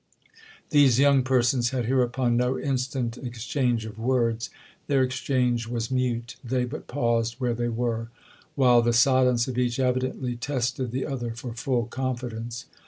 These young persons had hereupon no instant exchange of words; their exchange was mute—they but paused where they were; while the silence of each evidently tested the other for full confidence.